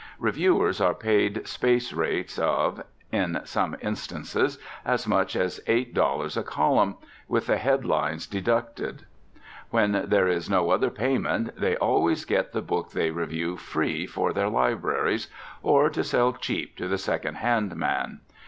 Reviewers are paid space rates of, in some instances, as much as eight dollars a column, with the head lines deducted. When there is no other payment they always get the book they review free for their libraries, or to sell cheap to the second hand man.